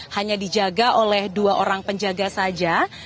hanya dijaga oleh dua orang penjaga saja